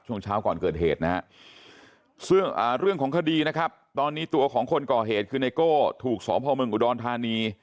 ช่วงเช้าก่อนเกิดเหตุนะฮะซึ่งเรื่องของคดีนะครับตอนนี้ตัวของคนก่อเหตุคือไนโก้ถูกสพเมืองอุดรธานี